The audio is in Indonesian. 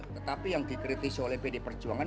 tetapi yang dikritisi oleh pd perjuangan